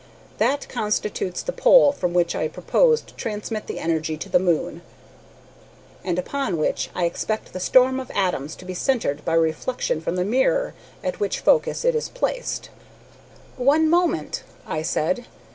That constitutes the pole from which I propose to transmit the energy to the moon, and upon which I expect the storm of atoms to be centred by reflection from the mirror at whose focus it is placed." "One moment," I said.